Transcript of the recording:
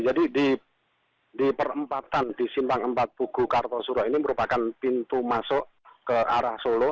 jadi di perempatan di simpang empat buku kartu suruh ini merupakan pintu masuk ke arah solo